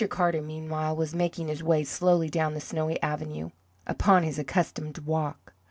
Carter meanwhile was making his way slowly down the snowy avenue, upon his accustomed walk.